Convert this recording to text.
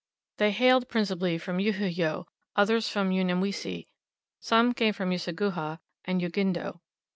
They hailed principally from Uhiyow, others from Unyamwezi, some came from Useguhha and Ugindo.